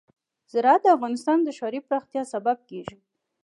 زراعت د افغانستان د ښاري پراختیا سبب کېږي.